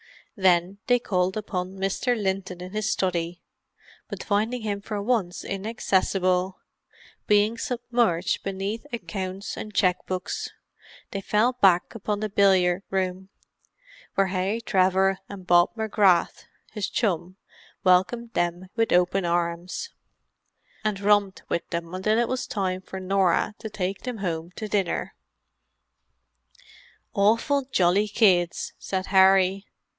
Then they called upon Mr. Linton in his study, but finding him for once inaccessible, being submerged beneath accounts and cheque books, they fell back upon the billiard room, where Harry Trevor and Bob McGrath, his chum, welcomed them with open arms, and romped with them until it was time for Norah to take them home to dinner. "Awful jolly kids," said Harry.